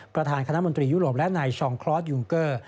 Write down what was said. ประธานคณะมนตรียุโรปและนายชองคลอสยูงเกอร์